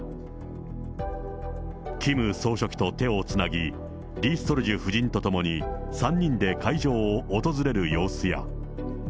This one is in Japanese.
キム総書記と手をつなぎ、リ・ソルジュ夫人と共に３人で会場を訪れる様子や。